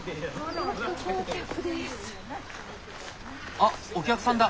あっお客さんだ。